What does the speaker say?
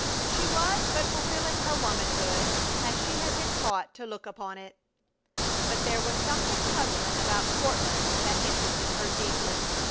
She was but fulfilling her womanhood as she had been taught to look upon it. But there was something puzzling about Courtland that interested her deeply.